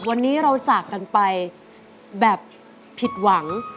วันนี้เราจากกันไปแบบผิดหวัง